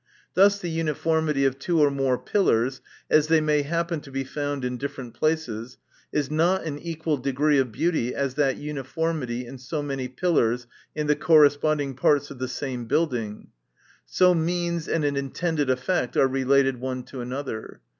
Thus the uniformity of two or more pil lars, as they may happen to be found in different places, is not an equal degree of beauty, as that uniformity in so many pillars in the corresponding parts of the same building. So means and an intended effect are related one to another.